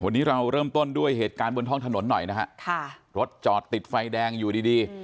วันนี้เราเริ่มต้นด้วยเหตุการณ์บนท้องถนนหน่อยนะฮะค่ะรถจอดติดไฟแดงอยู่ดีดี